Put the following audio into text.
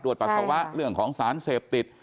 ปัสสาวะเรื่องของสารเสพติด